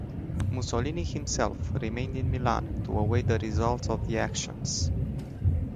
Mussolini himself remained in Milan to await the results of the actions.